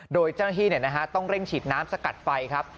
โดยเจ้าหน้าที่ต้องเร่งฉีดน้ำสกัดไฟครับ